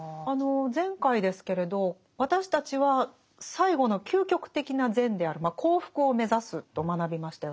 前回ですけれど私たちは最後の究極的な善である「幸福」を目指すと学びましたよね。